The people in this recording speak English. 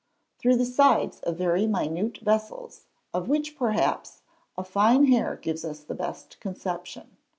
_ Through the sides of very minute vessels, of which, perhaps, a fine hair gives us the best conception.